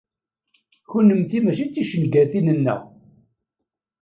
Kennemti mačči d ticengatin-nneɣ.